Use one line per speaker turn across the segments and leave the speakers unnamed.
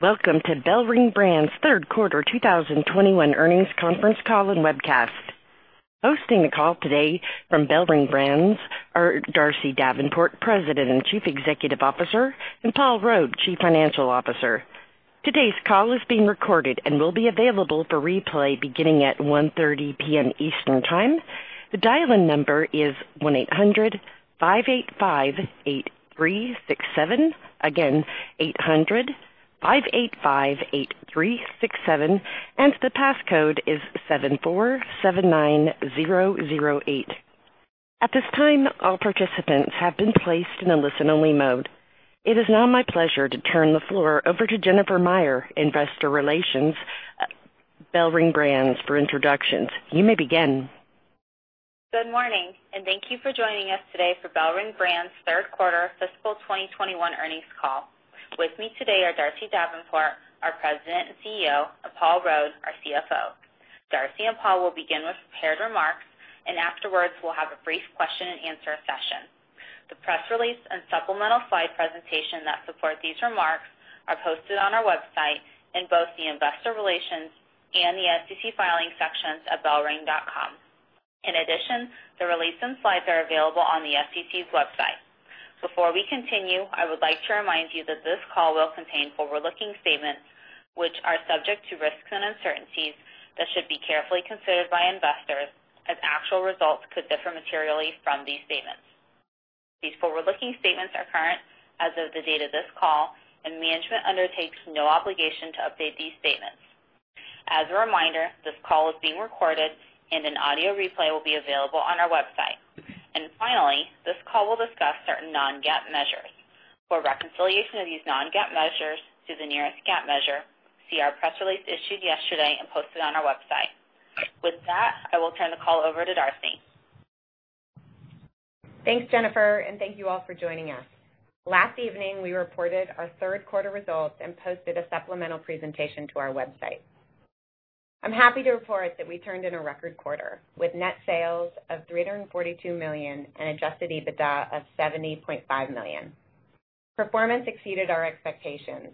Welcome to BellRing Brands' third quarter 2021 earnings conference call and webcast. Hosting the call today from BellRing Brands are Darcy Davenport, President and Chief Executive Officer, and Paul Rode, Chief Financial Officer. Today's call is being recorded and will be available for replay beginning at 1:30 P.M. Eastern Time. The dial-in number is 1-800-585-8367. Again, 800-585-8367, and the passcode is 7479008. At this time, all participants have been placed in a listen-only mode. It is now my pleasure to turn the floor over to Jennifer Meyer, Investor Relations, BellRing Brands, for introductions. You may begin.
Good morning, and thank you for joining us today for BellRing Brands' 3rd quarter fiscal 2021 earnings call. With me today are Darcy Davenport, our President and Chief Executive Officer, and Paul Rode, our Chief Financial Officer. Darcy and Paul will begin with prepared remarks, and afterwards, we'll have a brief question and answer session. The press release and supplemental slide presentation that support these remarks are posted on our website in both the Investor Relations and the Securities and Exchange Commission Filings sections at bellring.com. In addition, the release and slides are available on the SEC's website. Before we continue, I would like to remind you that this call will contain forward-looking statements, which are subject to risks and uncertainties that should be carefully considered by investors, as actual results could differ materially from these statements. These forward-looking statements are current as of the date of this call, and management undertakes no obligation to update these statements. As a reminder, this call is being recorded, and an audio replay will be available on our website. Finally, this call will discuss certain non-GAAP measures. For a reconciliation of these non-GAAP measures to the nearest GAAP measure, see our press release issued yesterday and posted on our website. With that, I will turn the call over to Darcy.
Thanks, Jennifer. Thank you all for joining us. Last evening, we reported our third quarter results and posted a supplemental presentation to our website. I'm happy to report that we turned in a record quarter, with net sales of $342 million and Adjusted EBITDA of $70.5 million. Performance exceeded our expectations,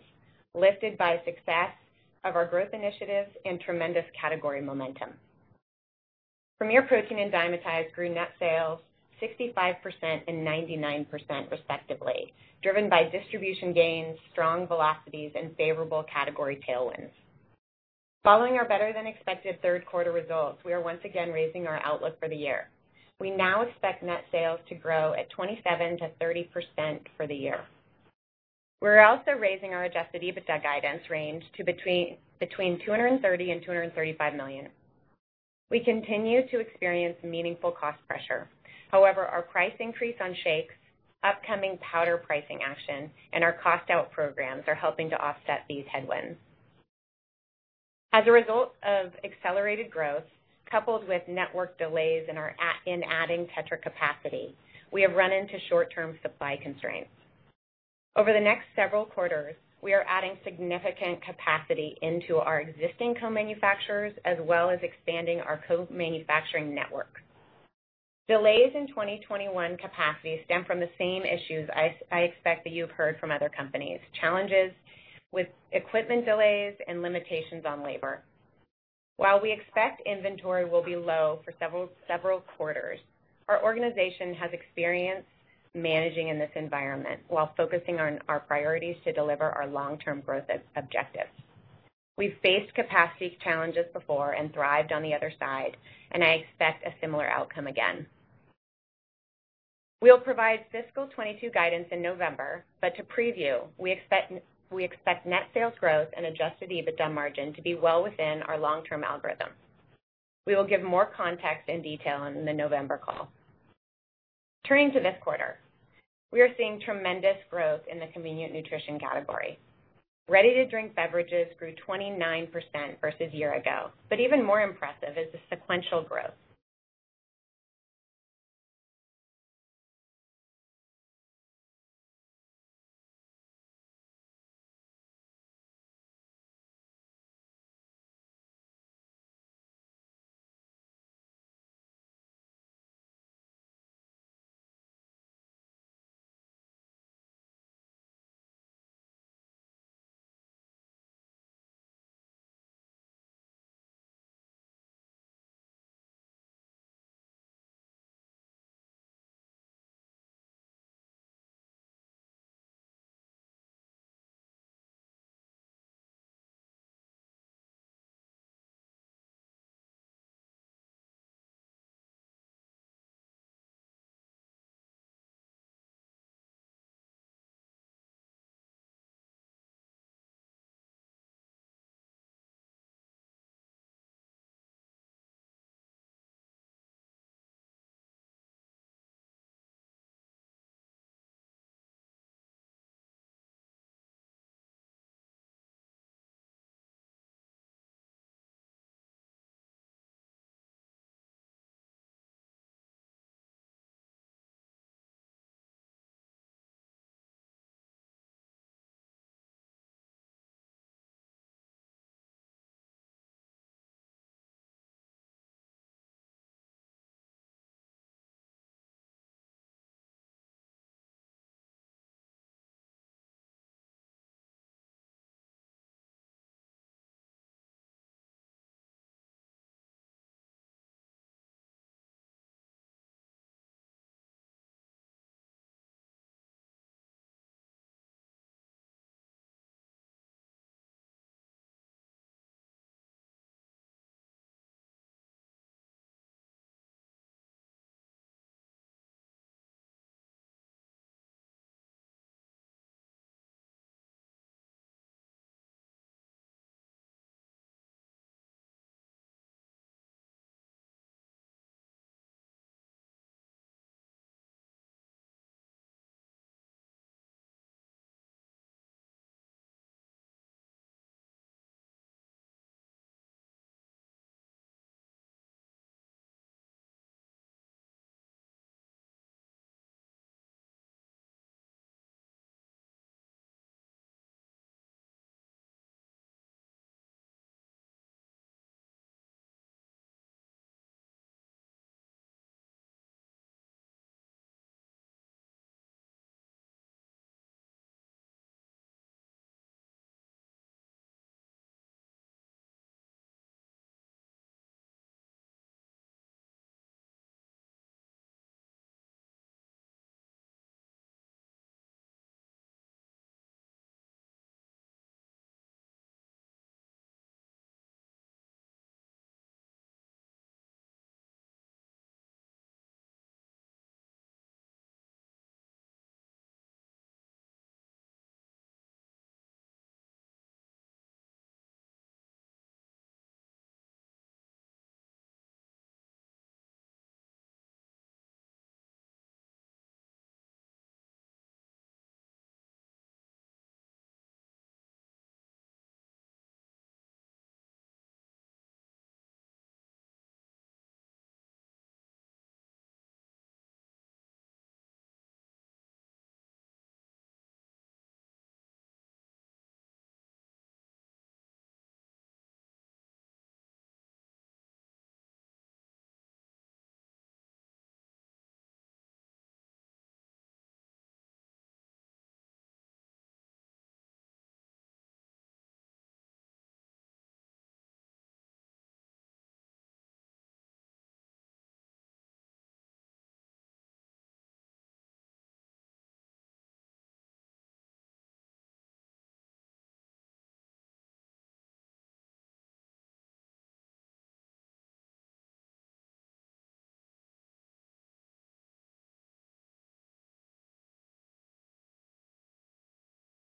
lifted by success of our growth initiatives and tremendous category momentum. Premier Protein and Dymatize grew net sales 65% and 99% respectively, driven by distribution gains, strong velocities, and favorable category tailwinds. Following our better-than-expected third quarter results, we are once again raising our outlook for the year. We now expect net sales to grow at 27%-30% for the year. We're also raising our Adjusted EBITDA guidance range to between $230 million and $235 million. We continue to experience meaningful cost pressure. However, our price increase on shakes, upcoming powder pricing action, and our cost-out programs are helping to offset these headwinds. As a result of accelerated growth, coupled with network delays in adding Tetra Pak capacity, we have run into short-term supply constraints. Over the next several quarters, we are adding significant capacity into our existing co-manufacturers, as well as expanding our co-manufacturing network. Delays in 2021 capacity stem from the same issues I expect that you've heard from other companies, challenges with equipment delays and limitations on labor. While we expect inventory will be low for several quarters, our organization has experience managing in this environment while focusing on our priorities to deliver our long-term growth objectives. We've faced capacity challenges before and thrived on the other side, and I expect a similar outcome again. We'll provide fiscal 2022 guidance in November, but to preview, we expect net sales growth and Adjusted EBITDA margin to be well within our long-term algorithm. We will give more context and detail in the November call. Turning to this quarter, we are seeing tremendous growth in the convenient nutrition category. ready-to-drink beverages grew 29% versus year ago. Even more impressive is the sequential growth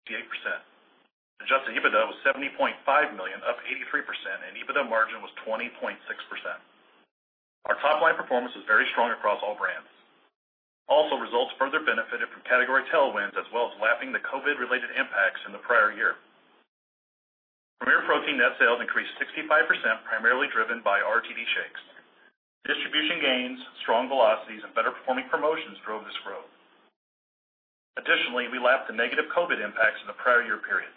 Adjusted EBITDA was $70.5 million, up 83%, and EBITDA margin was 20.6%. Results further benefited from category tailwinds as well as lapping the COVID-related impacts in the prior year. Premier Protein net sales increased 65%, primarily driven by Ready-to-Drink shakes. Distribution gains, strong velocities, and better-performing promotions drove this growth. Additionally, we lapped the negative COVID impacts in the prior year period.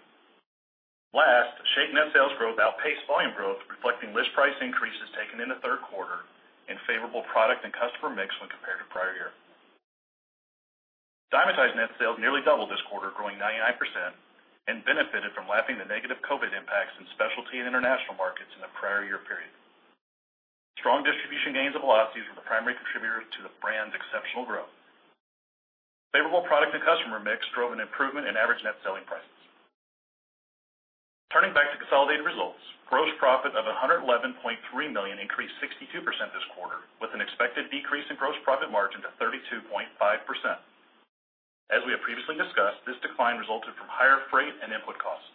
Shake net sales growth outpaced volume growth, reflecting list price increases taken in the third quarter and favorable product and customer mix when compared to prior year. Dymatize net sales nearly doubled this quarter, growing 99%, and benefited from lapping the negative COVID impacts in specialty and international markets in the prior year period. Strong distribution gains and velocities were the primary contributors to the brand's exceptional growth. Favorable product and customer mix drove an improvement in average net selling prices. Turning back to consolidated results, gross profit of $111.3 million increased 62% this quarter, with an expected decrease in gross profit margin to 32.5%. As we have previously discussed, this decline resulted from higher freight and input costs.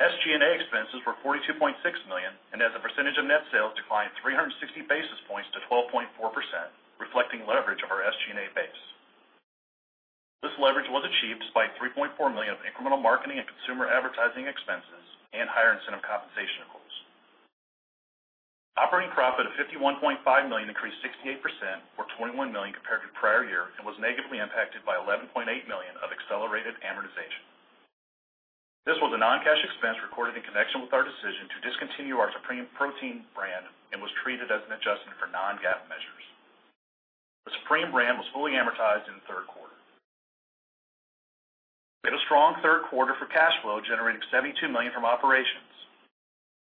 SG&A expenses were $42.6 million and as a percentage of net sales declined 360 basis points to 12.4%, reflecting leverage of our SG&A base. This leverage was achieved despite $3.4 million of incremental marketing and consumer advertising expenses and higher incentive compensation goals. Operating profit of $51.5 million increased 68%, or $21 million compared to prior year, and was negatively impacted by $11.8 million of accelerated amortization. This was a non-cash expense recorded in connection with our decision to discontinue our Supreme Protein brand and was treated as an adjustment for non-GAAP measures. The Supreme brand was fully amortized in the third quarter. We had a strong third quarter for cash flow, generating $72 million from operations.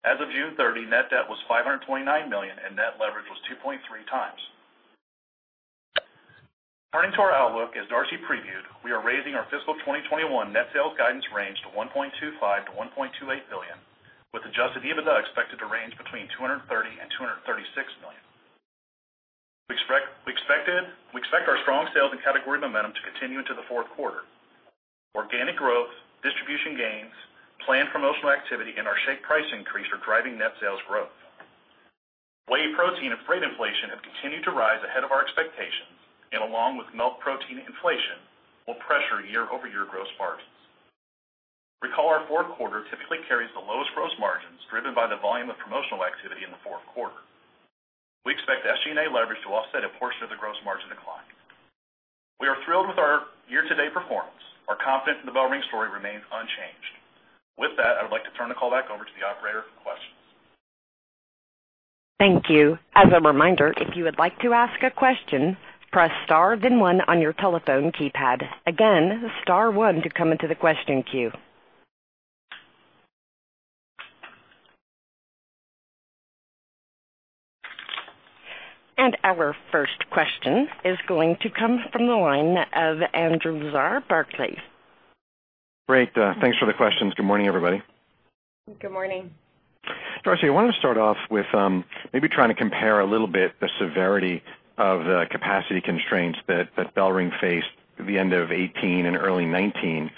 As of June 30, net debt was $529 million, and net leverage was 2.3 times. Turning to our outlook, as Darcy previewed, we are raising our fiscal 2021 net sales guidance range to $1.25 billion-$1.28 billion, with Adjusted EBITDA expected to range between $230 million and $236 million. We expect our strong sales and category momentum to continue into the fourth quarter. Organic growth, distribution gains, planned promotional activity, and our shake price increase are driving net sales growth. Whey protein and freight inflation have continued to rise ahead of our expectations, and along with milk protein inflation, will pressure year-over-year gross margins. Recall our fourth quarter typically carries the lowest gross margins, driven by the volume of promotional activity in the fourth quarter. We expect SG&A leverage to offset a portion of the gross margin decline. We are thrilled with our year-to-date performance. Our confidence in the BellRing story remains unchanged. With that, I would like to turn the call back over to the operator for questions.
Thank you. As a reminder, if you would like to ask a question, press star then one on your telephone keypad. Again, star one to come into the question queue. Our first question is going to come from the line of Andrew Lazar, Barclays.
Great. Thanks for the questions. Good morning, everybody.
Good morning.
Darcy, I wanted to start off with maybe trying to compare a little bit the severity of the capacity constraints that BellRing faced at the end of 2018 and early 2019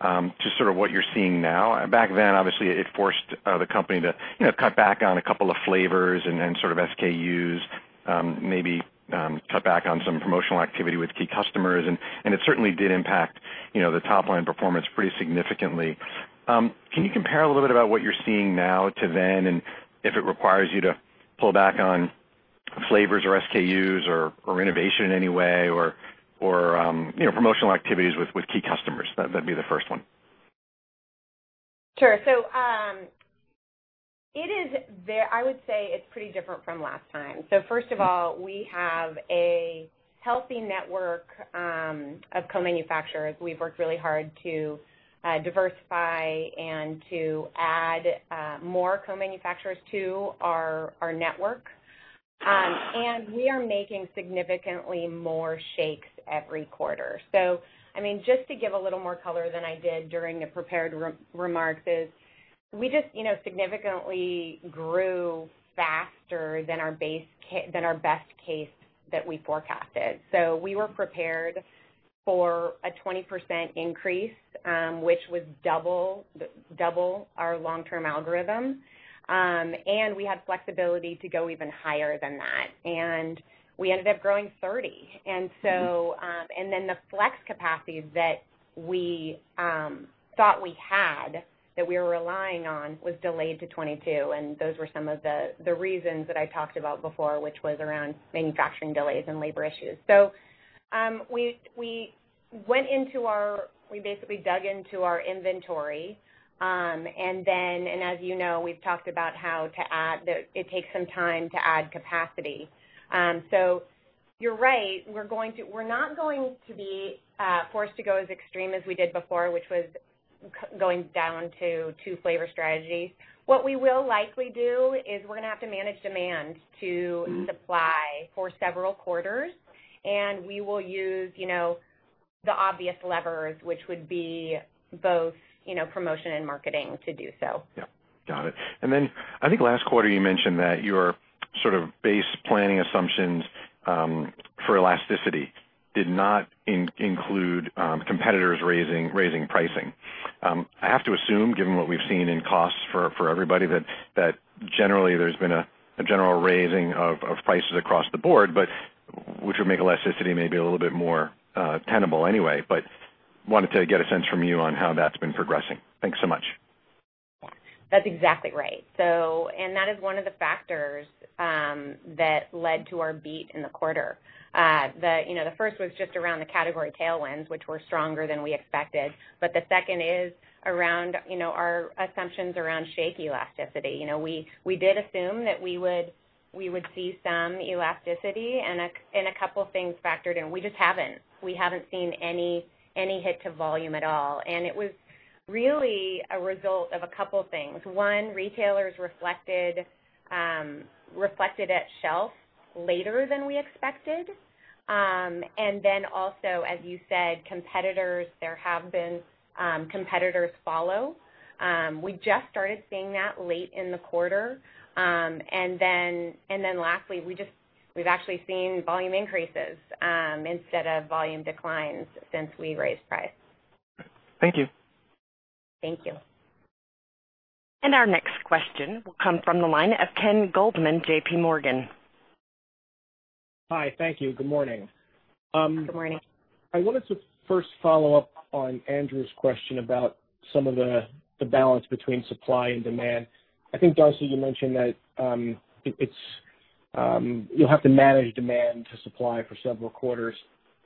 to sort of what you're seeing now. Back then, obviously, it forced the company to cut back on a couple of flavors and then sort of Stock Keeping Units, maybe cut back on some promotional activity with key customers, and it certainly did impact the top-line performance pretty significantly. Can you compare a little bit about what you're seeing now to then, and if it requires you to pull back on flavors or SKUs or innovation in any way or promotional activities with key customers? That'd be the first one.
Sure. I would say it's pretty different from last time. First of all, we have a healthy network of co-manufacturers. We've worked really hard to diversify and to add more co-manufacturers to our network. We are making significantly more shakes every quarter. Just to give a little more color than I did during the prepared remarks is we just significantly grew faster than our best case that we forecasted. We were prepared for a 20% increase, which was double our long-term algorithm. We had flexibility to go even higher than that, and we ended up growing 30%. The flex capacity that we thought we had, that we were relying on, was delayed to 2022, and those were some of the reasons that I talked about before, which was around manufacturing delays and labor issues. We basically dug into our inventory. As you know, we've talked about how it takes some time to add capacity. You're right. We're not going to be forced to go as extreme as we did before, which was going down to two flavor strategies. What we will likely do is we're going to have to manage demand to supply for several quarters, and we will use the obvious levers, which would be both promotion and marketing to do so.
Yep. Got it. I think last quarter you mentioned that your sort of base planning assumptions for elasticity did not include competitors raising pricing. I have to assume, given what we've seen in costs for everybody, that generally there's been a general raising of prices across the board, which would make elasticity maybe a little bit more tenable anyway. Wanted to get a sense from you on how that's been progressing. Thanks so much.
That's exactly right. That is one of the factors that led to our beat in the quarter. The first was just around the category tailwinds, which were stronger than we expected, but the second is around our assumptions around shake elasticity. We did assume that we would see some elasticity and a couple of things factored in. We just haven't. We haven't seen any hit to volume at all. It was really a result of a couple things. One, retailers reflected at shelf later than we expected. Also, as you said, there have been competitors follow. We just started seeing that late in the quarter. Lastly, we've actually seen volume increases instead of volume declines since we raised price.
Thank you.
Thank you.
Our next question will come from the line of Ken Goldman, JPMorgan.
Hi, thank you. Good morning.
Good morning.
I wanted to first follow up on Andrew's question about some of the balance between supply and demand. I think, Darcy, you mentioned that you'll have to manage demand to supply for several quarters.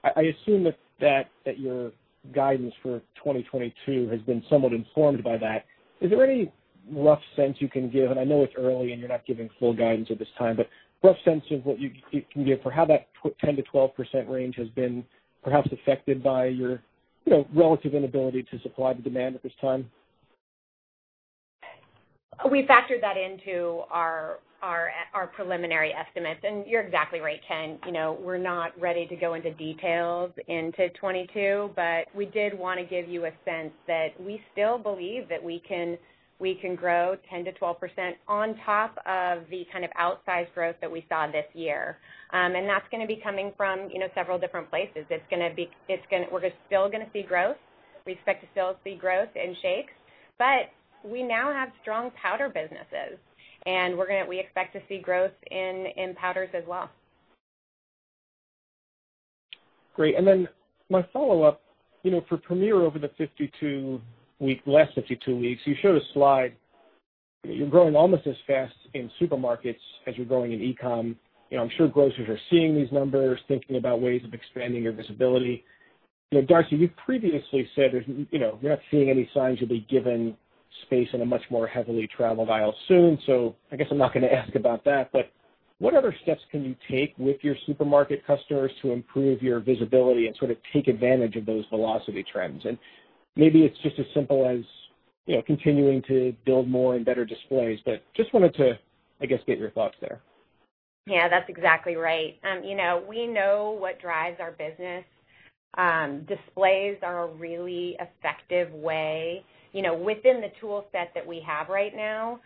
I assume that your guidance for 2022 has been somewhat informed by that. Is there any rough sense you can give, and I know it's early and you're not giving full guidance at this time, but rough sense of what you can give for how that 10%-12% range has been perhaps affected by your relative inability to supply the demand at this time?
We factored that into our preliminary estimates. You're exactly right, Ken. We're not ready to go into details into 2022, but we did want to give you a sense that we still believe that we can grow 10%-12% on top of the kind of outsized growth that we saw this year. That's going to be coming from several different places. We're still going to see growth. We expect to still see growth in shakes, but we now have strong powder businesses, and we expect to see growth in powders as well.
Great. My follow-up, for Premier over the last 52 weeks, you showed a slide. You're growing almost as fast in supermarkets as you're growing in e-commerce. I'm sure grocers are seeing these numbers, thinking about ways of expanding your visibility. Darcy, you previously said you're not seeing any signs you'll be given space in a much more heavily traveled aisle soon, so I guess I'm not going to ask about that. What other steps can you take with your supermarket customers to improve your visibility and sort of take advantage of those velocity trends? Maybe it's just as simple as continuing to build more and better displays, but just wanted to, I guess, get your thoughts there.
Yeah, that's exactly right. We know what drives our business. Displays are a really effective way, within the tool set that we have right now,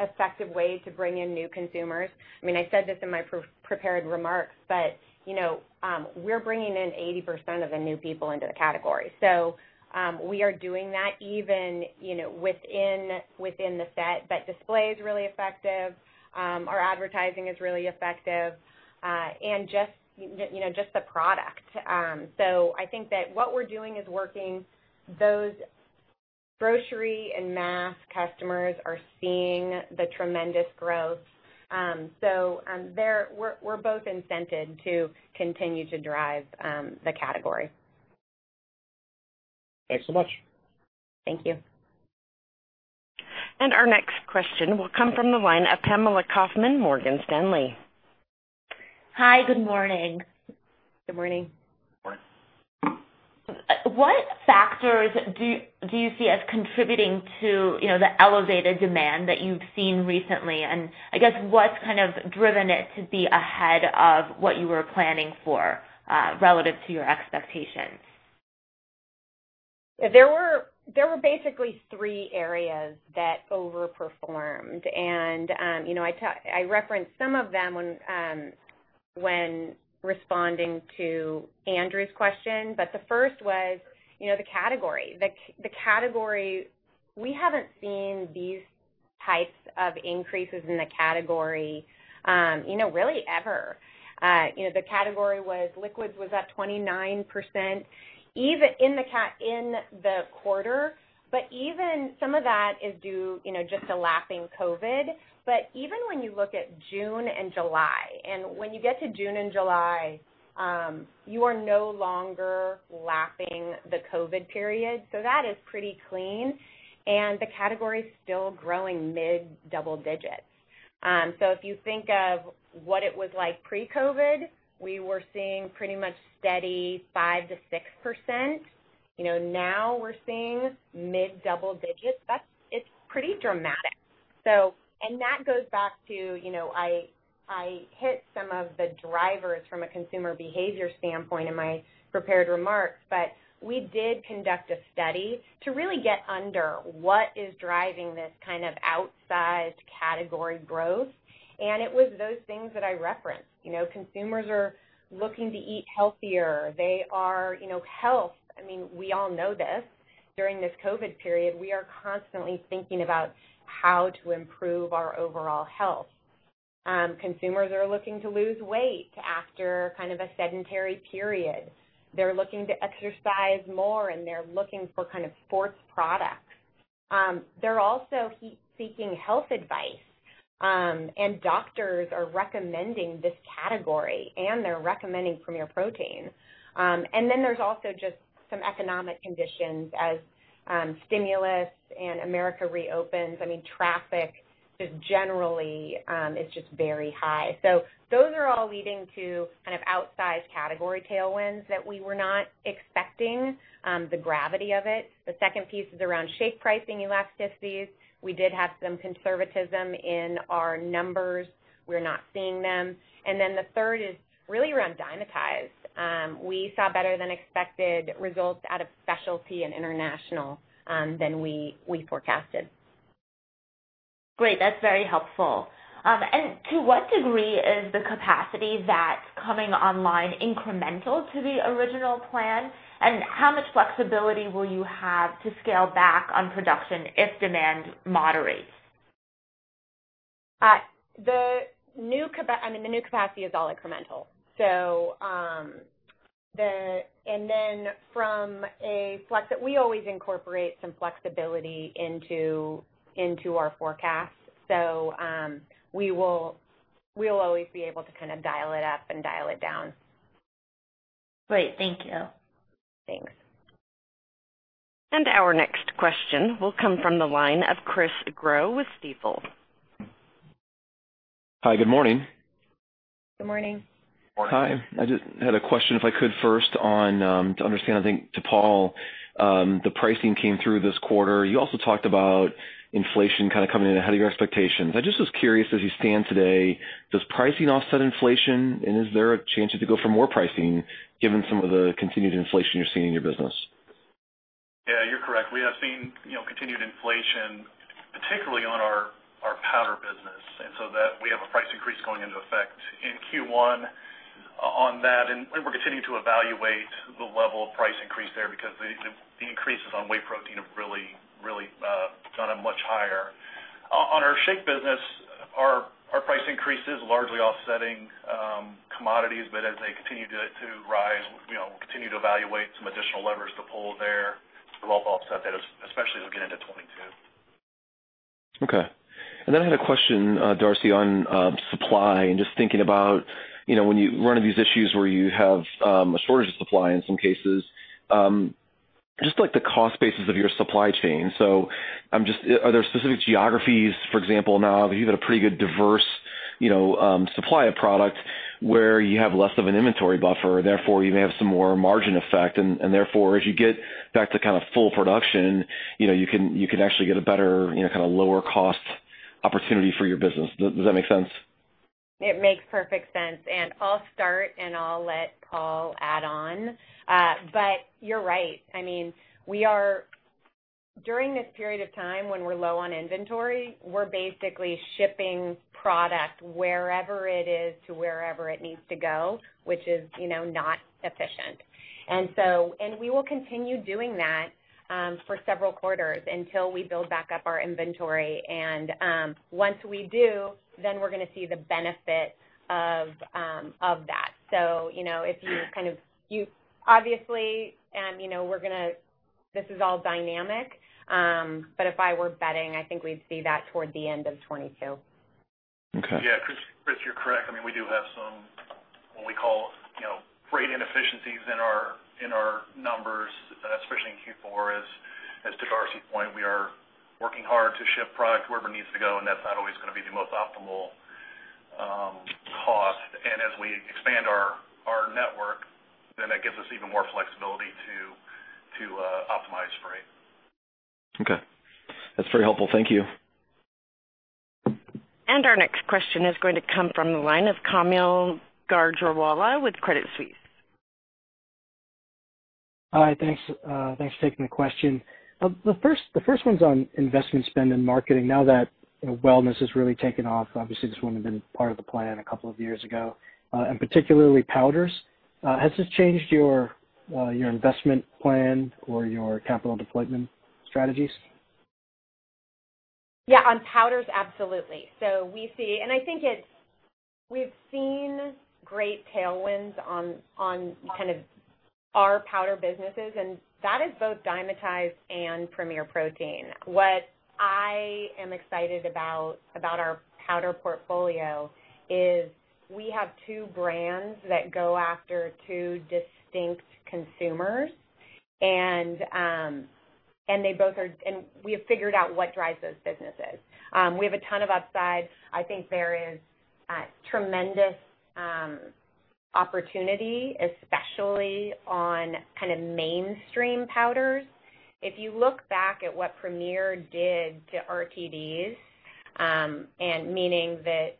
effective way to bring in new consumers. I said this in my prepared remarks, we're bringing in 80% of the new people into the category. We are doing that even within the set, but display is really effective. Our advertising is really effective. Just the product. I think that what we're doing is working. Those grocery and mass customers are seeing the tremendous growth. We're both incented to continue to drive the category.
Thanks so much.
Thank you.
Our next question will come from the line of Pamela Kaufman, Morgan Stanley.
Hi. Good morning.
Good morning.
Morning.
What factors do you see as contributing to the elevated demand that you've seen recently? I guess what's kind of driven it to be ahead of what you were planning for, relative to your expectations?
There were basically three areas that overperformed. I referenced some of them when responding to Andrew Lazar's question. The first was the category. We haven't seen these types of increases in the category really ever. The category was liquids was up 29% in the quarter. Even some of that is due just to lapping COVID. Even when you look at June and July, when you get to June and July, you are no longer lapping the COVID period. That is pretty clean. The category's still growing mid double digits. If you think of what it was like pre-COVID, we were seeing pretty much steady 5%-6%. Now we're seeing mid double digits. It's pretty dramatic. That goes back to, I hit some of the drivers from a consumer behavior standpoint in my prepared remarks, but we did conduct a study to really get under what is driving this kind of outsized category growth. It was those things that I referenced. Consumers are looking to eat healthier. Health, we all know this, during this COVID period, we are constantly thinking about how to improve our overall health. Consumers are looking to lose weight after kind of a sedentary period. They're looking to exercise more, and they're looking for kind of sports products. They're also seeking health advice, and doctors are recommending this category, and they're recommending Premier Protein. Then there's also just some economic conditions as stimulus and America reopens. Traffic just generally is just very high. Those are all leading to kind of outsized category tailwinds that we were not expecting the gravity of it. The second piece is around shake pricing elasticities. We did have some conservatism in our numbers. We're not seeing them. The third is really around Dymatize. We saw better than expected results out of specialty and international than we forecasted.
Great. That's very helpful. To what degree is the capacity that's coming online incremental to the original plan? How much flexibility will you have to scale back on production if demand moderates?
The new capacity is all incremental. We always incorporate some flexibility into our forecasts. We'll always be able to kind of dial it up and dial it down.
Great. Thank you.
Thanks.
Our next question will come from the line of Chris Growe with Stifel.
Hi. Good morning.
Good morning.
Morning.
Hi. I just had a question, if I could first on to understand, I think, to Paul, the pricing came through this quarter. You also talked about inflation kind of coming in ahead of your expectations. I just was curious, as you stand today, does pricing offset inflation and is there a chance that you go for more pricing given some of the continued inflation you're seeing in your business?
Yeah, you're correct. We have seen continued inflation, particularly on our powder business. We have a price increase going into effect in Q1 on that, and we're continuing to evaluate the level of price increase there because the increases on whey protein have really been much higher. On our shake business, our price increase is largely offsetting commodities. As they continue to rise, we'll continue to evaluate some additional levers to pull there to help offset that, especially as we get into 2022.
Okay. I had a question, Darcy, on supply and just thinking about when you run into these issues where you have a shortage of supply in some cases, just the cost basis of your supply chain. Are there specific geographies, for example, now that you've had a pretty good diverse supply of product where you have less of an inventory buffer, therefore you may have some more margin effect, and therefore, as you get back to kind of full production, you can actually get a better, kind of lower cost opportunity for your business. Does that make sense?
It makes perfect sense. I'll start, and I'll let Paul add on. You're right. During this period of time when we're low on inventory, we're basically shipping product wherever it is to wherever it needs to go, which is not efficient. We will continue doing that for several quarters until we build back up our inventory. Once we do, then we're going to see the benefit of that. Obviously, this is all dynamic, but if I were betting, I think we'd see that toward the end of 2022.
Okay.
Yeah, Chris, you're correct. We do have some, what we call, freight inefficiencies in our numbers, especially in Q4. As to Darcy's point, we are working hard to ship product wherever it needs to go, and that's not always going to be the most optimal cost. As we expand our network, then that gives us even more flexibility to optimize freight.
Okay. That's very helpful. Thank you.
Our next question is going to come from the line of Kaumil Gajrawala with Credit Suisse.
Hi. Thanks for taking the question. The first one's on investment spend and marketing. Now that wellness has really taken off, obviously this wouldn't have been part of the plan a couple of years ago, particularly powders. Has this changed your investment plan or your capital deployment strategies?
Yeah, on powders. Absolutely. We've seen great tailwinds on kind of our powder businesses. That is both Dymatize and Premier Protein. What I am excited about our powder portfolio is we have two brands that go after two distinct consumers. We have figured out what drives those businesses. We have a ton of upside. I think there is tremendous opportunity, especially on kind of mainstream powders. If you look back at what Premier did to RTDs, meaning the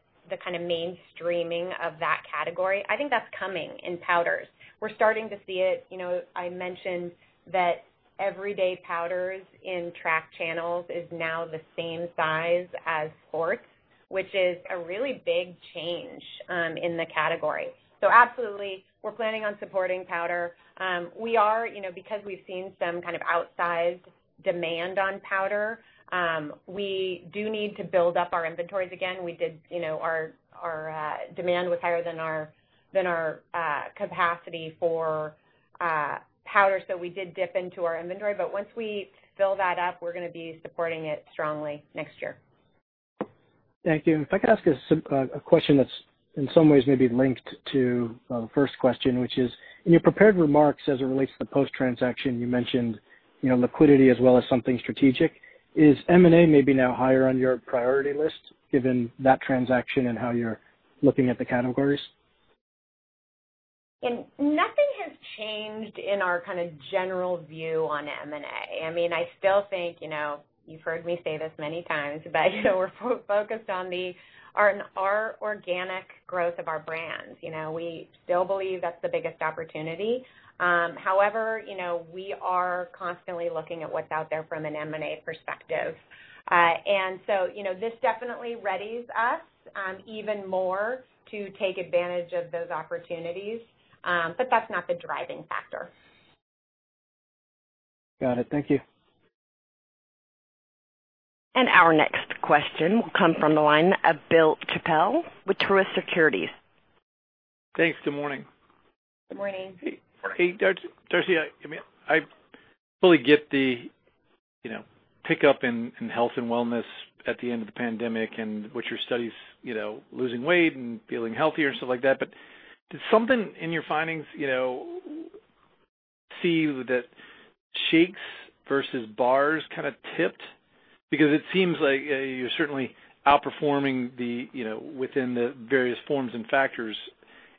kind of mainstreaming of that category, I think that's coming in powders. We're starting to see it. I mentioned that everyday powders in track channels is now the same size as sports, which is a really big change in the category. Absolutely, we're planning on supporting powder. Because we've seen some kind of outsized demand on powder, we do need to build up our inventories again. Our demand was higher than our capacity for powder, so we did dip into our inventory. Once we fill that up, we're going to be supporting it strongly next year.
Thank you. If I could ask a question that's in some ways may be linked to the first question, which is, in your prepared remarks as it relates to the Post-transaction, you mentioned liquidity as well as something strategic. Is M&A maybe now higher on your priority list given that transaction and how you're looking at the categories?
Nothing has changed in our kind of general view on M&A. I still think, you've heard me say this many times, but we're focused on our organic growth of our brands. We still believe that's the biggest opportunity. However, we are constantly looking at what's out there from an M&A perspective. This definitely readies us even more to take advantage of those opportunities. That's not the driving factor.
Got it. Thank you.
Our next question will come from the line of Bill Chappell with Truist Securities.
Thanks. Good morning.
Good morning.
Hey, Darcy. I fully get the pick up in health and wellness at the end of the pandemic and what your studies, losing weight and feeling healthier and stuff like that. Did something in your findings see that shakes versus bars kind of tipped? It seems like you're certainly outperforming within the various forms and factors,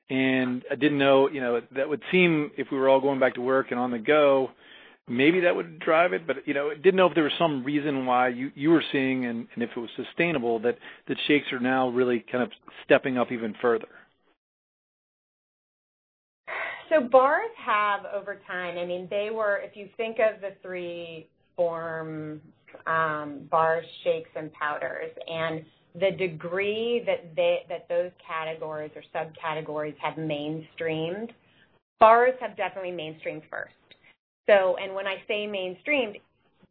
and I didn't know. That would seem if we were all going back to work and on the go, maybe that would drive it. Didn't know if there was some reason why you were seeing, and if it was sustainable, that shakes are now really kind of stepping up even further.
Bars have, over time, if you think of the three forms, bars, shakes, and powders, and the degree that those categories or subcategories have mainstreamed, bars have definitely mainstreamed first. When I say mainstreamed,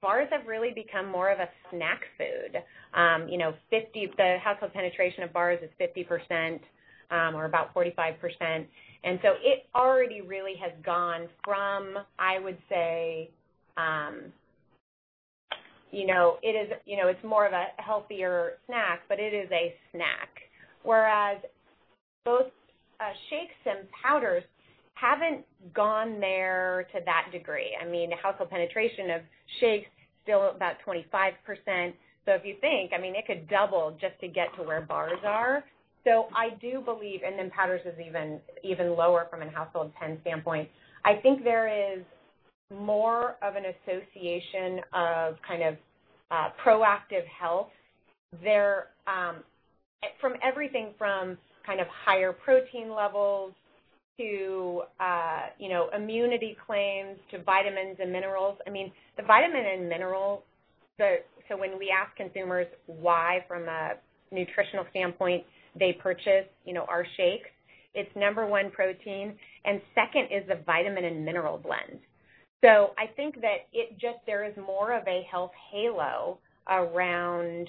bars have really become more of a snack food. The household penetration of bars is 50% or about 45%. It already really has gone from, I would say, it's more of a healthier snack, but it is a snack. Whereas both shakes and powders haven't gone there to that degree. The household penetration of shakes, still about 25%. If you think, it could double just to get to where bars are. I do believe powders is even lower from a household pen standpoint. I think there is more of an association of proactive health there. From everything from higher protein levels to immunity claims to vitamins and minerals. The vitamin and minerals, so when we ask consumers why, from a nutritional standpoint, they purchase our shakes, it's number one, protein, and second is the vitamin and mineral blend. I think that there is more of a health halo around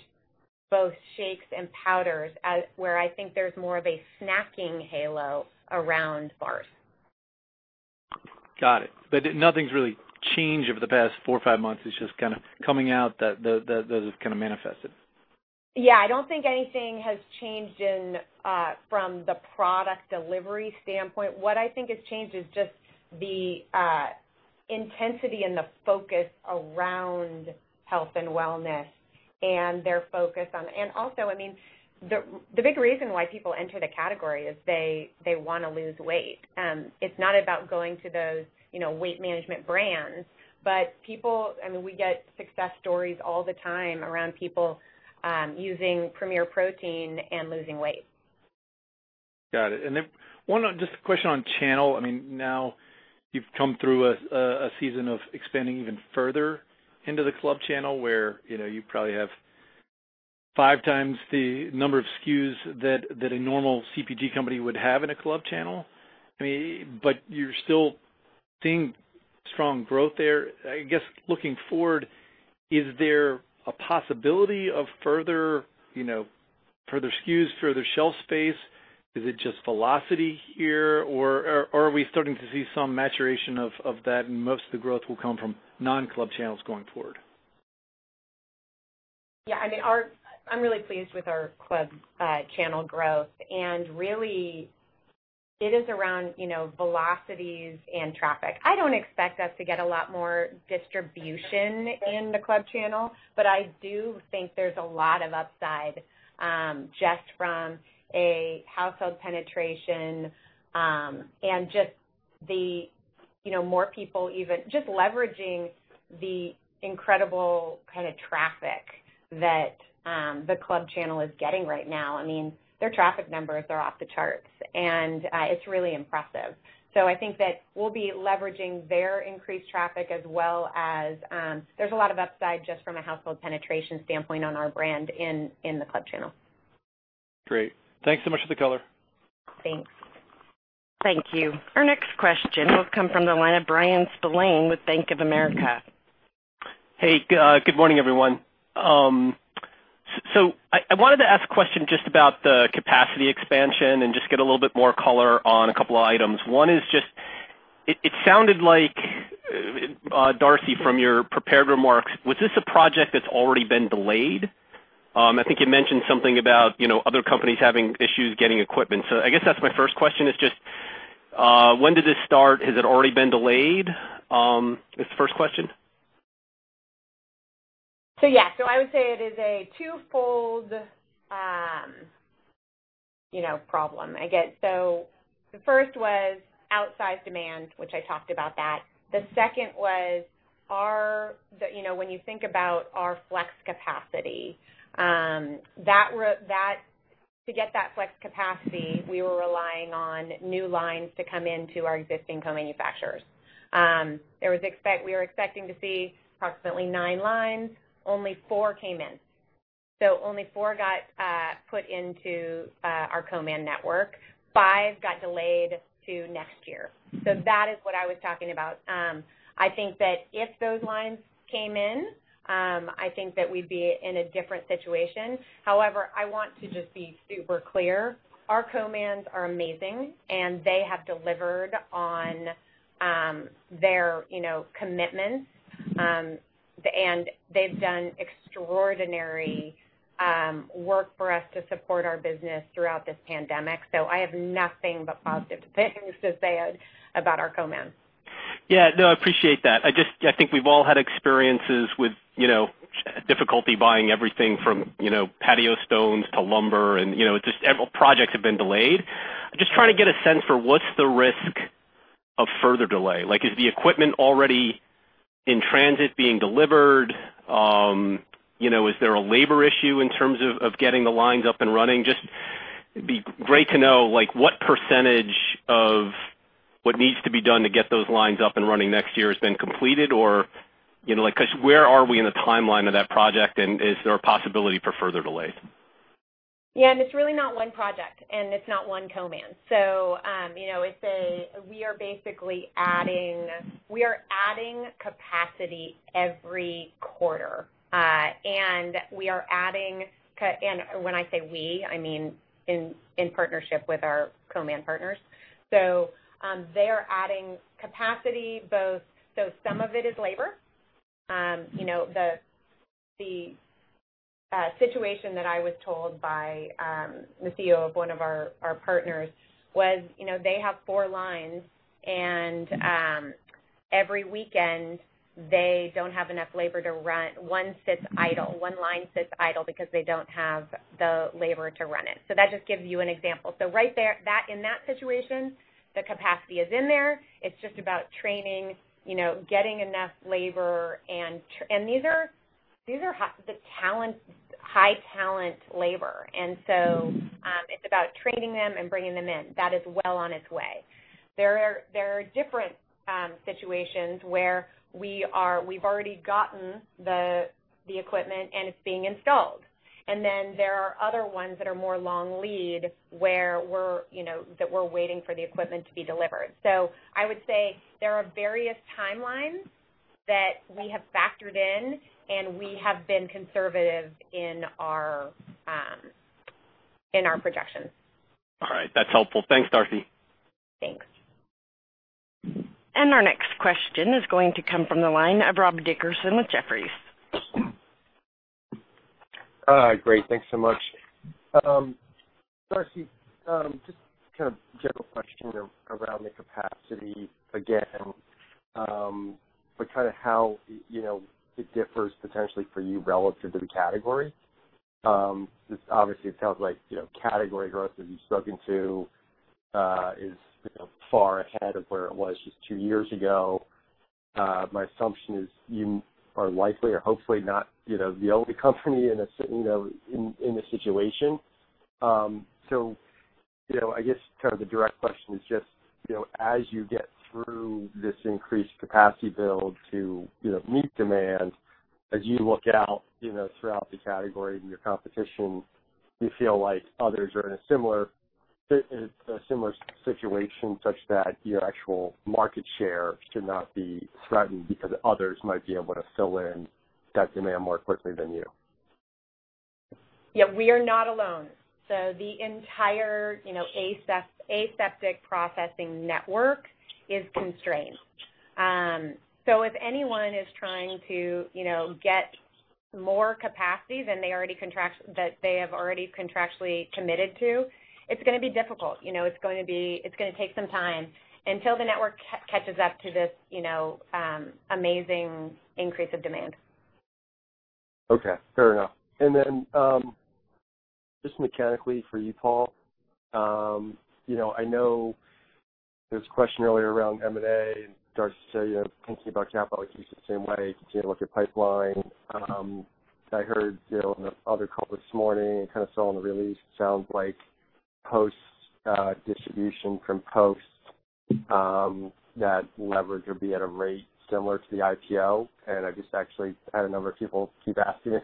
both shakes and powders, where I think there's more of a snacking halo around bars.
Got it. Nothing's really changed over the past four or five months. It's just kind of coming out that has kind of manifested.
Yeah. I don't think anything has changed from the product delivery standpoint. What I think has changed is just the intensity and the focus around health and wellness. Also, the big reason why people enter the category is they want to lose weight. It's not about going to those weight management brands, but we get success stories all the time around people using Premier Protein and losing weight.
Got it. Just a question on channel. Now you've come through a season of expanding even further into the club channel, where you probably have 5x the number of SKUs that a normal Consumer Packaged Goods company would have in a club channel. You're still seeing strong growth there. I guess looking forward, is there a possibility of further SKUs, further shelf space? Is it just velocity here, or are we starting to see some maturation of that, and most of the growth will come from non-club channels going forward?
Yeah. I'm really pleased with our club channel growth, and really, it is around velocities and traffic. I don't expect us to get a lot more distribution in the club channel, but I do think there's a lot of upside, just from a household penetration, and just leveraging the incredible traffic that the club channel is getting right now. Their traffic numbers are off the charts, and it's really impressive. I think that we'll be leveraging their increased traffic as well as there's a lot of upside just from a household penetration standpoint on our brand in the club channel.
Great. Thanks so much for the color.
Thanks.
Thank you. Our next question will come from the line of Bryan Spillane with Bank of America.
Hey, good morning, everyone. I wanted to ask a question just about the capacity expansion and just get a little bit more color on a couple of items. One is just, it sounded like, Darcy, from your prepared remarks, was this a project that's already been delayed? I think you mentioned something about other companies having issues getting equipment. I guess that's my first question is just, when did this start? Has it already been delayed? It's the first question.
Yeah. I would say it is a twofold problem. The first was outsized demand, which I talked about that. The second was when you think about our flex capacity. To get that flex capacity, we were relying on new lines to come into our existing co-manufacturers. We were expecting to see approximately nine lines. Only four came in. Only four got put into our co-man network. Five got delayed to next year. That is what I was talking about. I think that if those lines came in, I think that we'd be in a different situation. However, I want to just be super clear. Our co-mans are amazing, and they have delivered on their commitments. They've done extraordinary work for us to support our business throughout this pandemic. I have nothing but positive things to say about our co-mans.
Yeah. No, I appreciate that. I think we've all had experiences with difficulty buying everything from patio stones to lumber and just projects have been delayed. I'm just trying to get a sense for what's the risk of further delay. Is the equipment already in transit being delivered? Is there a labor issue in terms of getting the lines up and running? Just it'd be great to know what percentage of what needs to be done to get those lines up and running next year has been completed, or where are we in the timeline of that project, and is there a possibility for further delays?
Yeah. It's really not one project, and it's not one co-man. We are adding capacity every quarter. And we are adding, and when I say we, I mean in partnership with our co-man partners. They are adding capacity, so some of it is labor. The situation that I was told by the CEO of one of our partners was they have four lines, and every weekend, they don't have enough labor to run. One sits idle. One line sits idle because they don't have the labor to run it. That just gives you an example. Right there, in that situation, the capacity is in there. It's just about training, getting enough labor and these are the high talent labor. It's about training them and bringing them in. That is well on its way. There are different situations where we've already gotten the equipment and it's being installed. There are other ones that are more long lead that we're waiting for the equipment to be delivered. I would say there are various timelines that we have factored in, and we have been conservative in our projections.
All right. That's helpful. Thanks, Darcy.
Thanks.
Our next question is going to come from the line of Rob Dickerson with Jefferies.
Great. Thanks so much. Darcy, just kind of general question around the capacity again, how it differs potentially for you relative to the category. Obviously, it sounds like category growth that you've spoken to is far ahead of where it was just two years ago. My assumption is you are likely or hopefully not the only company in this situation. I guess the direct question is just, as you get through this increased capacity build to meet demand, as you look out throughout the category and your competition, do you feel like others are in a similar situation such that your actual market share should not be threatened because others might be able to fill in that demand more quickly than you?
Yeah, we are not alone. The entire aseptic processing network is constrained. If anyone is trying to get more capacity than they have already contractually committed to, it's going to be difficult. It's going to take some time until the network catches up to this amazing increase of demand.
Okay, fair enough. Just mechanically for you, Paul, I know there was a question earlier around M&A and Darcy said thinking about capital use the same way, continue to look at pipeline. I heard on the other call this morning and kind of saw in the release, it sounds like distribution from Post that leverage would be at a rate similar to the IPO. I've just actually had a number of people keep asking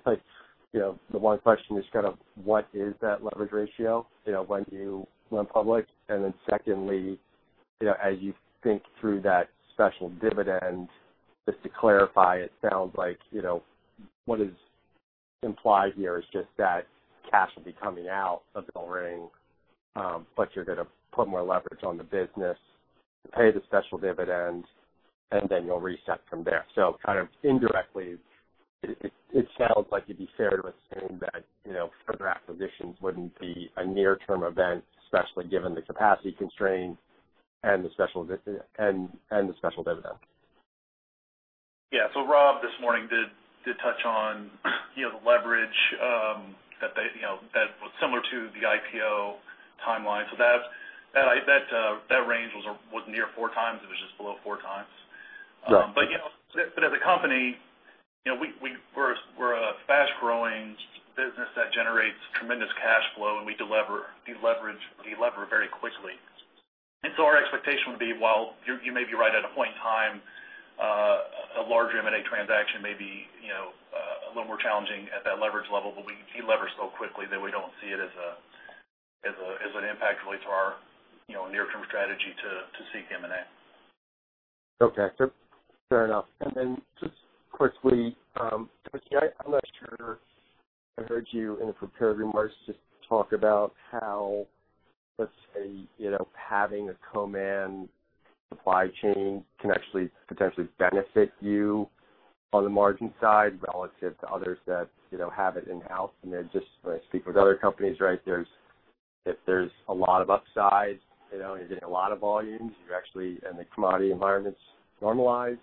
the one question, which is what is that leverage ratio when you went public? Secondly, as you think through that special dividend, just to clarify, it sounds like what is implied here is just that cash will be coming out of BellRing, but you're going to put more leverage on the business to pay the special dividend, and then you'll reset from there. Kind of indirectly, it sounds like it'd be fair to assume that further acquisitions wouldn't be a near-term event, especially given the capacity constraints and the special dividend.
Yeah. Rob, this morning, did touch on the leverage that was similar to the IPO timeline. That range was near 4x. It was just below 4x.
Yeah.
As a company, we're a fast-growing business that generates tremendous cash flow, and we de-lever very quickly. Our expectation would be, while you may be right at a point in time, a large M&A transaction may be a little more challenging at that leverage level, but we de-lever so quickly that we don't see it as an impact really to our near-term strategy to seek M&A.
Okay. Fair enough. Just quickly, Darcy, I'm not sure I heard you in the prepared remarks just talk about how, let's say, having a co-man supply chain can actually potentially benefit you on the margin side relative to others that have it in-house. Just when I speak with other companies, right, if there's a lot of upside, and you're getting a lot of volumes, and the commodity environment's normalized,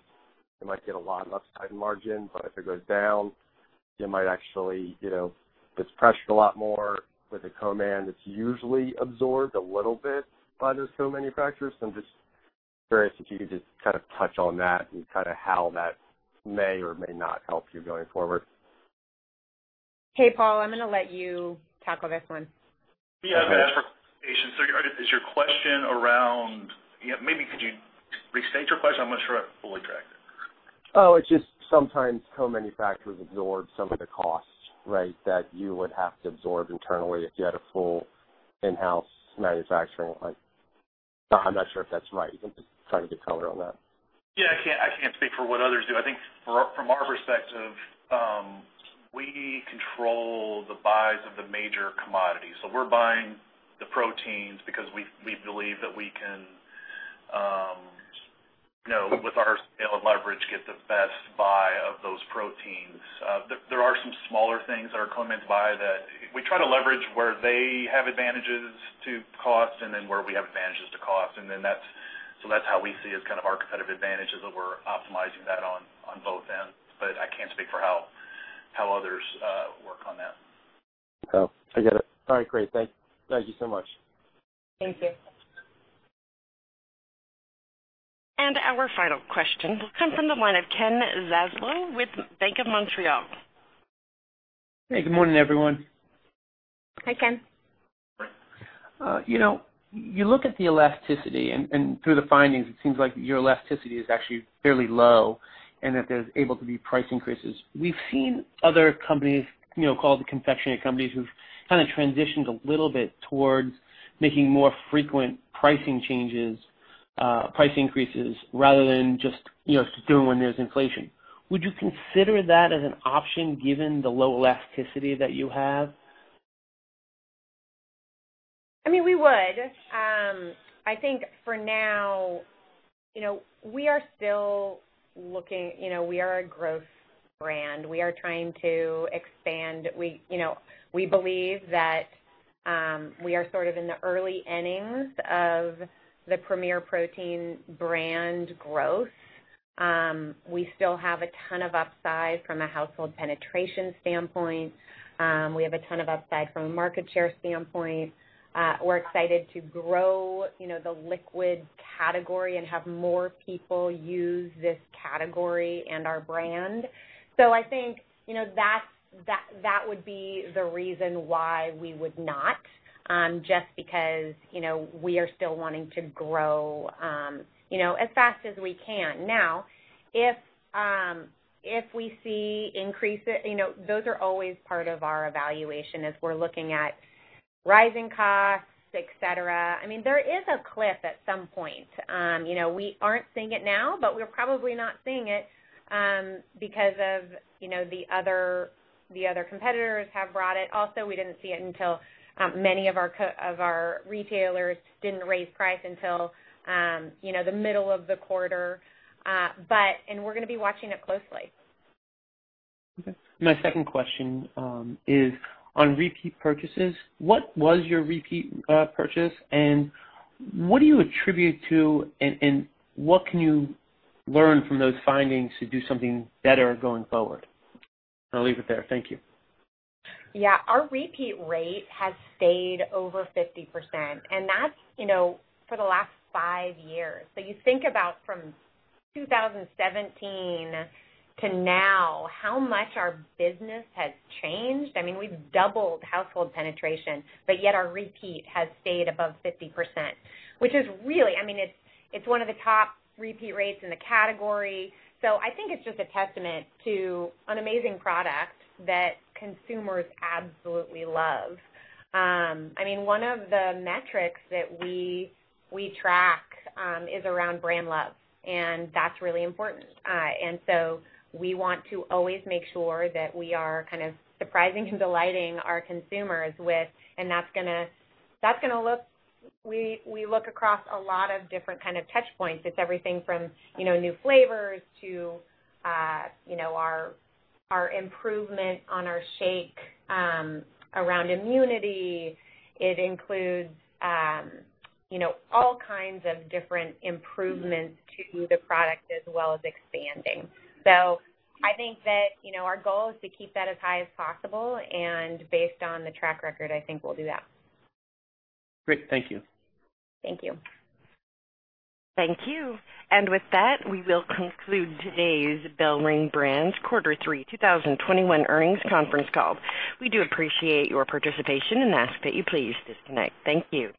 you might get a lot of upside in margin. If it goes down, it's pressured a lot more. With a co-man, it's usually absorbed a little bit by those co-manufacturers. I'm just curious if you could just touch on that and how that may or may not help you going forward.
Hey, Paul, I'm going to let you tackle this one.
Yeah. Is your question around Maybe could you restate your question? I'm not sure I fully tracked it.
It's just sometimes co-manufacturers absorb some of the costs, right? That you would have to absorb internally if you had a full in-house manufacturing. I'm not sure if that's right. You can try to get color on that.
Yeah, I can't speak for what others do. I think from our perspective, we control the buys of the major commodities. We're buying the proteins because we believe that we can, with our scale and leverage, get the best buy of those proteins. There are some smaller things that our co-man buy that we try to leverage where they have advantages to cost and then where we have advantages to cost. That's how we see as kind of our competitive advantage is that we're optimizing that on both ends. I can't speak for how others work on that.
Oh, I get it. All right, great. Thank you so much.
Thank you.
Our final question will come from the line of Ken Zaslow with Bank of Montreal.
Hey, good morning, everyone.
Hi, Ken.
You look at the elasticity and through the findings, it seems like your elasticity is actually fairly low and that there's able to be price increases. We've seen other companies, call it the confectionery companies, who've kind of transitioned a little bit towards making more frequent pricing changes, price increases rather than just doing when there's inflation. Would you consider that as an option given the low elasticity that you have?
We would. I think for now, we are a growth brand. We are trying to expand. We believe that we are sort of in the early innings of the Premier Protein brand growth. We still have a ton of upside from a household penetration standpoint. We have a ton of upside from a market share standpoint. We're excited to grow the liquids category and have more people use this category and our brand. I think that would be the reason why we would not, just because we are still wanting to grow as fast as we can. Those are always part of our evaluation as we're looking at rising costs, et cetera. There is a cliff at some point. We aren't seeing it now, we're probably not seeing it because of the other competitors have brought it. We didn't see it until many of our retailers didn't raise price until the middle of the quarter. We're going to be watching it closely.
Okay. My second question is on repeat purchases. What was your repeat purchase, and what do you attribute to, and what can you learn from those findings to do something better going forward? I'll leave it there. Thank you.
Our repeat rate has stayed over 50%. That's for the last five years. You think about from 2017 to now, how much our business has changed. We've doubled household penetration, yet our repeat has stayed above 50%, which is really. It's one of the top repeat rates in the category. I think it's just a testament to an amazing product that consumers absolutely love. One of the metrics that we track is around brand love. That's really important. We want to always make sure that we are kind of surprising and delighting our consumers. We look across a lot of different kind of touch points. It's everything from new flavors to our improvement on our shake around immunity. It includes all kinds of different improvements to the product as well as expanding. I think that our goal is to keep that as high as possible, and based on the track record, I think we'll do that.
Great. Thank you.
Thank you.
Thank you. With that, we will conclude today's BellRing Brands quarter three 2021 earnings conference call. We do appreciate your participation and ask that you please disconnect. Thank you.